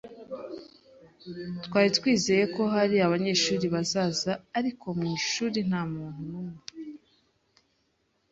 Twari twizeye ko hari abanyeshuri bazaza, ariko mu ishuri nta muntu n'umwe.